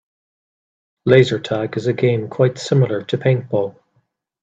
Laser tag is a game quite similar to paintball.